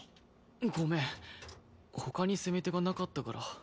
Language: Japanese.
ごめん他に攻め手がなかったから。